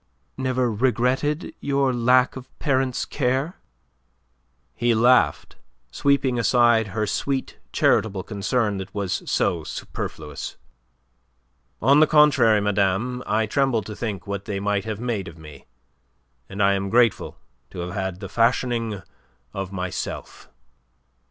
never regretted your lack of parents' care?" He laughed, sweeping aside her sweet charitable concern that was so superfluous. "On the contrary, madame, I tremble to think what they might have made of me, and I am grateful to have had the fashioning of myself."